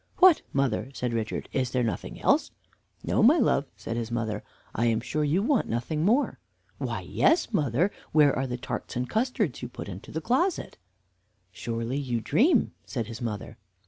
"What, mother," said Richard, "is there nothing else?" "No, my love," said his mother; "I am sure you want nothing more." "Why, yes, mother. Where are the tarts and custards you put into the closet?" "Surely you dream?" said his mother.